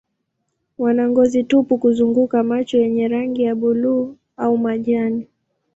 Wana ngozi tupu kuzunguka macho yenye rangi ya buluu au majani.